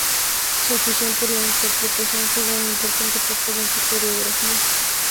Su afición por la interpretación jugó un importante papel en su coreografía.